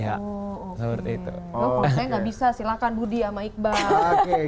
kalau saya gak bisa silahkan budi sama iqbal